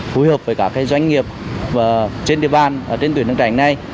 phối hợp với các doanh nghiệp trên địa bàn trên tuyến tránh này